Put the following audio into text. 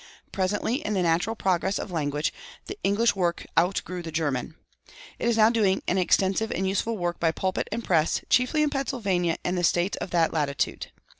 Presently, in the natural progress of language, the English work outgrew the German. It is now doing an extensive and useful work by pulpit and press, chiefly in Pennsylvania and the States of that latitude.